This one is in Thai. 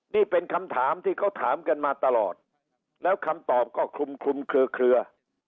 นี่เป็นคำถามที่เขาถามกันมาตลอดแล้วคำตอบก็คลุมคลุมเคลือเคลือ